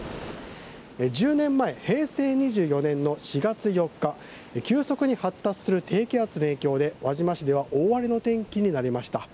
１０年前平成２４年の４月４日急速に発達する低気圧の影響で輪島市では大荒れの天気なりました。